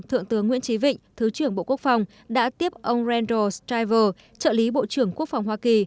thượng tướng nguyễn trí vịnh thứ trưởng bộ quốc phòng đã tiếp ông rendal striver trợ lý bộ trưởng quốc phòng hoa kỳ